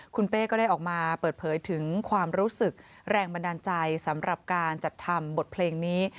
คุณเป้ก็ได้ออกมาเปิดเผยถึงความรู้สึกแรงบันดาลใจสำหรับการจัดทำบทเพลงนี้